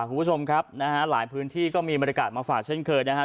คุณผู้ชมครับนะฮะหลายพื้นที่ก็มีบรรยากาศมาฝากเช่นเคยนะครับ